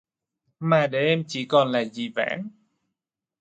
Mà để em chỉ còn là dĩ vãng?